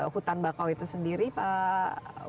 hutan bakau itu sendiri pak